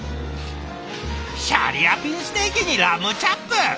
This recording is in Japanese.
シャリアピンステーキにラムチャップ！